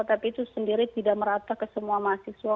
tapi itu sendiri tidak merata ke semua mahasiswa